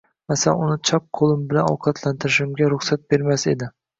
Masalan uni chap qo`lim bilan ovqatlantirishimga ruxsat bermas edi